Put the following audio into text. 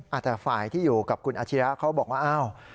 อาจแต่ฝ่ายที่อยู่กับคุณอัจฉริยะเขาบอกว่า